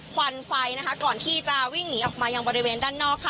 ควันไฟนะคะก่อนที่จะวิ่งหนีออกมายังบริเวณด้านนอกค่ะ